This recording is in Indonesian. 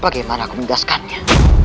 bagaimana aku menjelaskannya